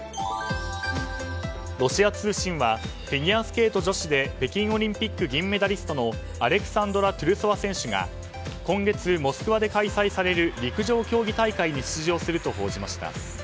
ロシア通信はフィギュアスケート女子で北京オリンピックの銀メダリストアレクサンドラ・トゥルソワ選手が今月、モスクワで開催される陸上競技大会に出場すると報じました。